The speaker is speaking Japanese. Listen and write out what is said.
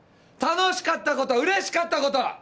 楽しかったことうれしかったこと！